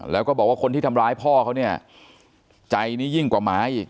แล้วก็บอกว่าคนที่ทำร้ายพ่อเขาเนี่ยใจนี้ยิ่งกว่าหมาอีก